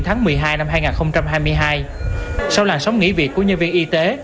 từ ngày một mươi tháng một mươi hai năm hai nghìn hai mươi hai sau làn sóng nghỉ việc của nhân viên y tế